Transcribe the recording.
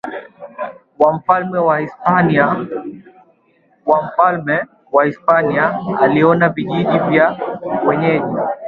wa mfalme wa Hispania aliona vijiji vya wenyeji